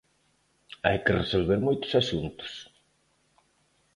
Hai que resolver moitos asuntos.